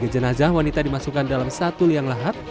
tiga jenazah wanita dimasukkan dalam satu liang lahat